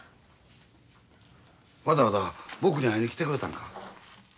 わざわざ僕に会いに来てくれたんか？